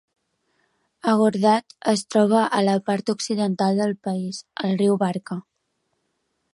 Agordat es troba a la part occidental del país, al riu Barka.